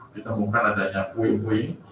ditemukan adanya puing puing